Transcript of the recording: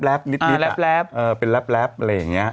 แรปนิดเป็นแรปอะไรอย่างเงี้ย